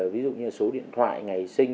ví dụ như số điện thoại ngày sinh